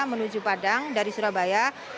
menuju padang dari surabaya